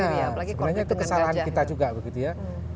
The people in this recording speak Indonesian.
sebenarnya itu kesalahan kita juga begitu ya